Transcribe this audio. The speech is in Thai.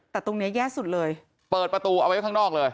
แต่ตรงเนี้ยแย่สุดเลยเปิดประตูเอาไว้ข้างนอกเลย